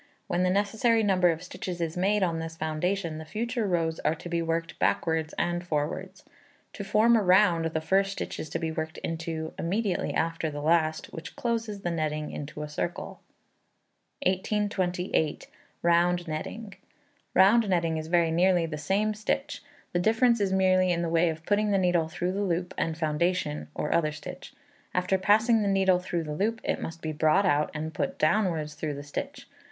When the necessary number of stitches is made on this foundation, the future rows are to be worked backwards and forwards. To form a round, the first stitch is to be worked into immediately after the last, which closes the netting into a circle. 1828. Round Netting. Round Netting is very nearly the same stitch. The difference is merely in the way of putting the needle through the loop and foundation, or other stitch. After passing the needle through the loop, it must be brought out, and put downwards through the stitch.